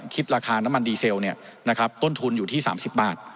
คิดราคาน้ำมันดีเซลต้นทุนอยู่ที่๓๐บาท